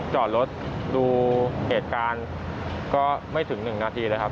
จอดรถดูเหตุการณ์ก็ไม่ถึง๑นาทีเลยครับ